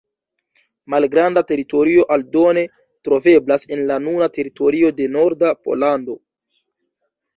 Malgranda teritorio aldone troveblas en la nuna teritorio de norda Pollando.